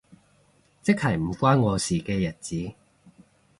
即係唔關我事嘅日子